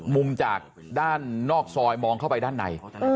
มุมจากด้านนอกซอยมองเข้าไปด้านใน